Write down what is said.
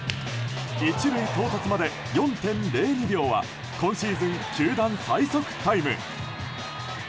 １塁到達まで４．０２秒は今シーズン球団最速タイム。